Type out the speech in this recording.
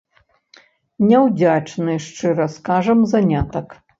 Няўдзячны, шчыра скажам, занятак!